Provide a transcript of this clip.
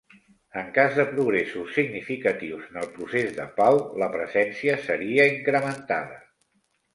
En cas de progressos significatius en el procés de pau, la presència seria incrementada.